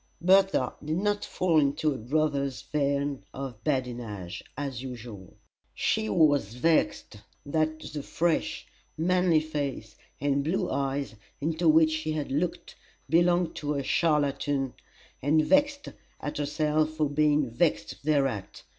Bertha did not fall into her brother's vein of badinage, as usual. She was vexed that the fresh, manly face and blue eyes into which she had looked belonged to a charlatan, and vexed at herself for being vexed thereat.